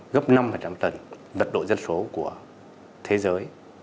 gấp năm lần mật độ dân số của thế giới